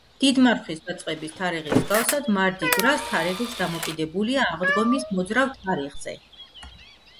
დიდმარხვის დაწყების თარიღის მსგავსად, მარდი-გრას თარიღიც დამოკიდებულია აღდგომის მოძრავ თარიღზე.